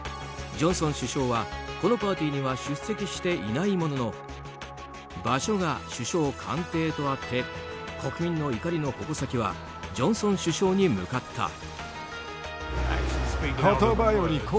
ジョンソン首相はこのパーティーには出席していないものの場所が首相官邸とあって国民の怒りの矛先はジョンソン首相に向かった。